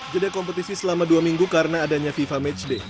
jeda kompetisi selama dua minggu karena adanya fifa matchday